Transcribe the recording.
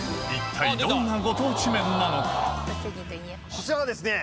こちらがですね